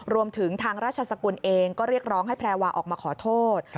รวมถึงทางราชสกุลเองก็เรียกร้องให้แพรวาออกมาขอโทษ